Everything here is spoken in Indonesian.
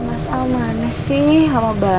mas almanis sih hama banget